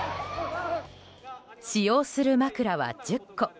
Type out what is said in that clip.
使用する枕は１０個。